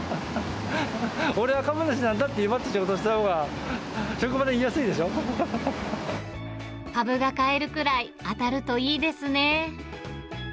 俺は株主なんだって威張って仕事したほうが、職場にいやすいでし株が買えるくらい当たるといいですね。